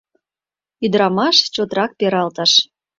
Ӱдырамаш чотрак пералтыш.